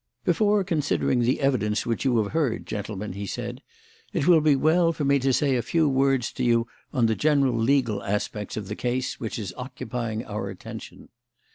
"Before considering the evidence which you have heard, gentlemen," he said, "it will be well for me to say a few words to you on the general legal aspects of the case which is occupying our attention."